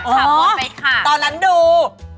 ขับวนไปค่ะโอ้ตอนนั้นดู